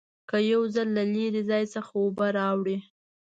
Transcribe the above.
که یو ځل له لرې ځای څخه اوبه راوړې.